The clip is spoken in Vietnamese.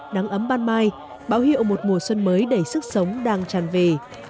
nắng ấm ban mai báo hiệu một mùa xuân mới đầy sức sống đang tràn về